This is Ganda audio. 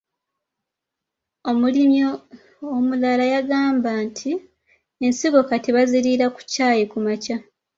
Omulimi omulala yagamba nti ensigo kati baziriira ku caayi kumakya.